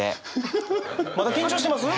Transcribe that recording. まだ緊張してます？